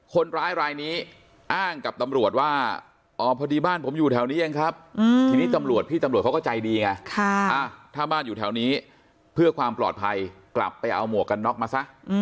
คนร้ายรายนี้อ้างกับตำรวจว่าอ๋อพอดีบ้านผมอยู่แถวนี้เองครับทีนี้ตำรวจพี่ตำรวจเขาก็ใจดีไงถ้าบ้านอยู่แถวนี้เพื่อความปลอดภัยกลับไปเอาหมวกกันน็อกมาซะ